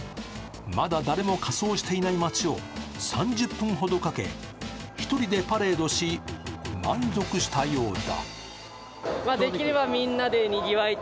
まだ誰も仮装していない街を３０分ほどかけ、一人でパレードし、満足したようだ。